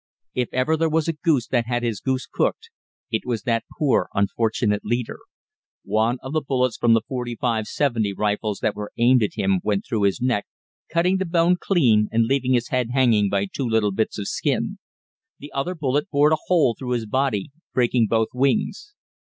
If ever there was a goose that had his goose cooked, it was that poor, unfortunate leader. One of the bullets from the .45 70 rifles that were aimed at him went through his neck, cutting the bone clean and leaving his head hanging by two little bits of skin. The other bullet bored a hole through his body, breaking both wings.